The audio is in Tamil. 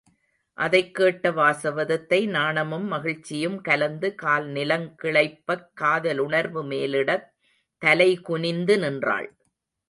அதைக் கேட்ட வாசவதத்தை நாணமும் மகிழ்ச்சியும் கலந்து கால் நிலங் கிளைப்பக் காதலுணர்வு மேலிடத் தலைகுனிந்து நின்றாள்.